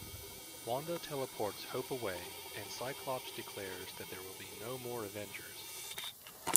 Wanda teleports Hope away and Cyclops declares that there will be no more Avengers.